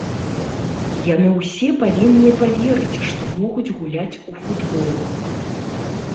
Яны ўсе павінны паверыць, што могуць гуляць у футбол.